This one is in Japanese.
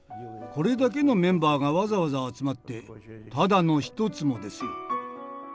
これだけのメンバーがわざわざ集まってただの一つもですよ」。